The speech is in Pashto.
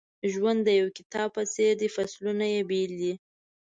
ژوند د یو کتاب په څېر دی فصلونه یې بېل دي.